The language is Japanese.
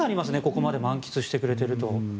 ここまで満喫してくれていると。